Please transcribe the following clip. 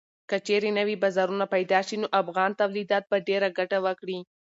که چېرې نوي بازارونه پېدا شي نو افغان تولیدات به ډېره ګټه وکړي.